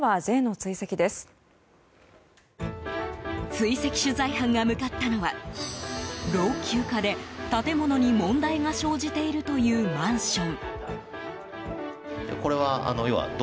追跡取材班が向かったのは老朽化で建物に問題が生じているというマンション。